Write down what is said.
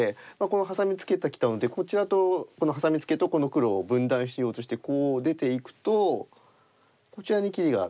ハサミツケてきたのでこちらとこのハサミツケとこの黒を分断しようとしてこう出ていくとこちらに切りがあって。